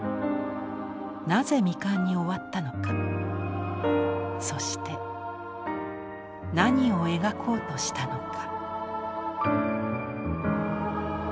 なぜ未完に終わったのかそして何を描こうとしたのか。